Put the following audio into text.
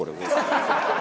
ハハハハ！